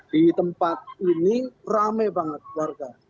di tempat ini rame banget warga